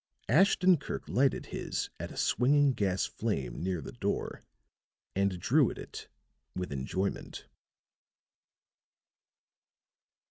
Ashton Kirk lighted his at a swinging gas flame near the door and drew at it with enjoyment.